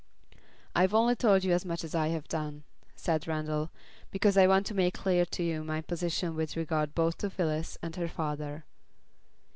"I've only told you as much as I have done," said Randall, "because I want to make clear to you my position with regard both to Phyllis and her father."